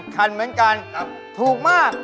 คันเหมือนกันถูกมาก